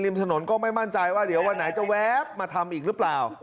ถนนก็ไม่มั่นใจว่าเดี๋ยววันไหนจะแว๊บมาทำอีกหรือเปล่า